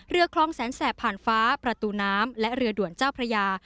เรือคลองแสนแสบผ่านฟ้าประตูน้ำและเรือด่วนเจ้าพระยา